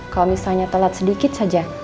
kalau misalnya telat sedikit saja